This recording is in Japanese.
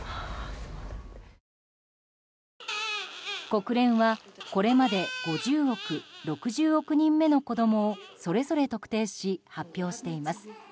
国連はこれまで５０億、６０億人目の子供をそれぞれ特定し発表しています。